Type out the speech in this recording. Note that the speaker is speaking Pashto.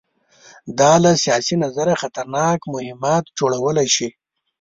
دا له سیاسي نظره خطرناک مهمات جوړولی شي.